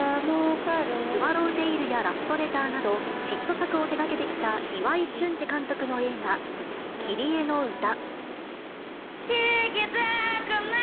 スワロウテイルやラストレターなど、ヒット作を手がけてきた岩井俊二監督の映画、キリエのうた。